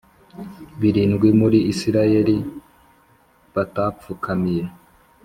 birindwi muri Isirayeli batapfukamiye